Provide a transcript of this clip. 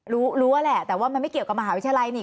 รู้รู้แหละแต่ว่ามันไม่เกี่ยวกับมหาวิทยาลัยนี่